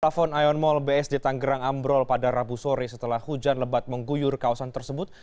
plafon ion mall bsd tanggerang ambrol pada rabu sore setelah hujan lebat mengguyur kawasan tersebut